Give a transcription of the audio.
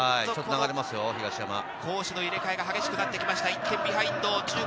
攻守の入れ替えが激しくなってきました、１点ビハインド。